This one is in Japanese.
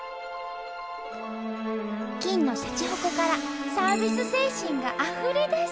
金のしゃちほこからサービス精神があふれ出す！